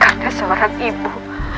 karena seorang ibu